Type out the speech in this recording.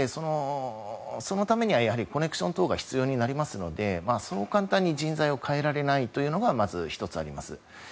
そのためにはコネクションなどが必要なのでそう簡単に人材を替えられないというのがまず１つあります。